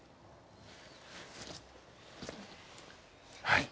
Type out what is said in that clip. はい。